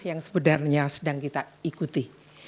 yang sebenarnya sedang kita ikuti